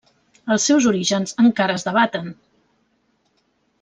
Els seus orígens encara es debaten.